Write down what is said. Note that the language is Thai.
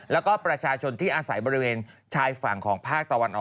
แล้วก็ประชาชนที่อาศัยบริเวณชายฝั่งของภาคตะวันออก